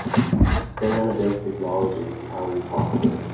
Staying on the basic knowledge is entirely possible.